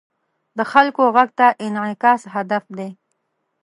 د خلکو غږ ته انعکاس هدف دی.